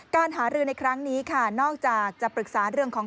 การหารือในครั้งนี้ค่ะนอกจากจะปรึกษาเรื่องของ